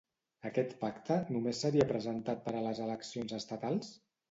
Aquest pacte només seria presentat per a les eleccions estatals?